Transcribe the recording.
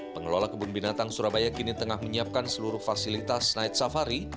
pengelola kebun binatang surabaya kini tengah menyiapkan seluruh fasilitas night safari